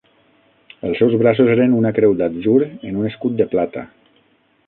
Els seus braços eren una creu d"atzur en un escut de plata.